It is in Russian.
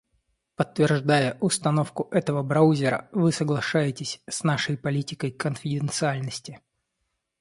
Подтверждая установку этого браузера, вы соглашаетесь с нашей политикой конфиденциальности.